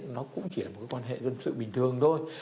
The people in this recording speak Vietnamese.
nó cũng chỉ là một quan hệ dân sự bình thường thôi